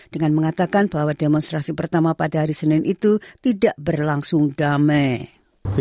dengan mengatakan bahwa demonstrasi pertama pada hari senin itu tidak berlangsung damai